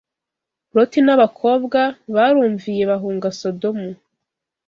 Loti n’abakobwa barumviye bahunga Sodomu.